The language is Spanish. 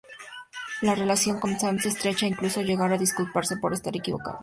La relación con Sam se estrecha e incluso llega a disculparse por estar equivocado.